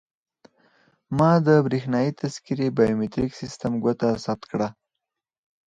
ما د بریښنایي تذکیرې بایومتریک سیستم ګوته ثبت کړه.